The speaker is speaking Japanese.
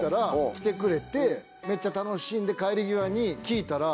めっちゃ楽しんで帰り際に聞いたら。